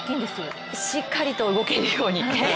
しっかりと動けるように。